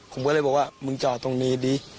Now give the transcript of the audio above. ผมก็เลยบอกว่ามึงจอดตรงนี้ดิ